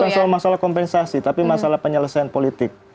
bukan soal masalah kompensasi tapi masalah penyelesaian politik